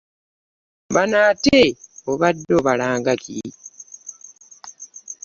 Bano ate obadde obalanga ki?